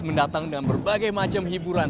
mendatang dengan berbagai macam hiburan